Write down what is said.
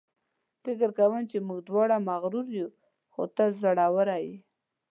فکر کوم چې موږ دواړه مغرور یو، خو ته زړوره یې.